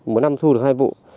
một năm thu được hai vụ